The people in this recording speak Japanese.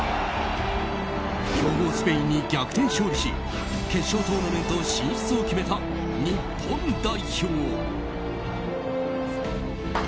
強豪スペインに逆転勝利し決勝トーナメント進出を決めた日本代表。